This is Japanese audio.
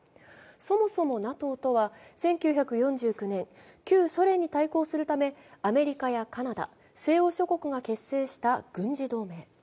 そもそもＮＡＴＯとは１９４９年旧ソ連に対抗するためアメリカやカナダ、西欧諸国が結成した軍事同盟。